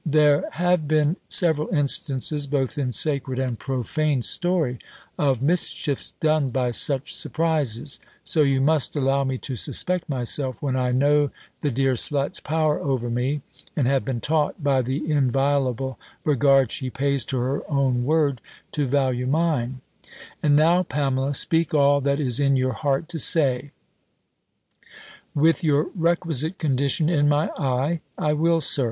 There have been several instances, both in sacred and profane story, of mischiefs done by such surprises: so you must allow me to suspect myself, when I know the dear slut's power over me, and have been taught, by the inviolable regard she pays to her own word, to value mine And now, Pamela, speak all that is in your heart to say." "With your requisite condition in my eye, I will, Sir.